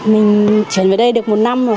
mình chuyển về đây được một năm rồi